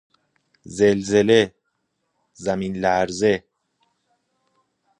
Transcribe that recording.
زلزله، زمین لرزه